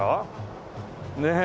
ねえ。